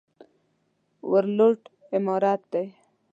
ولورت عمارت دی؟